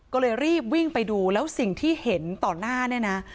ก็เลยรีบวิ่งไปดูแล้วสิ่งที่เห็นต่อหน้าเนี่ยนะ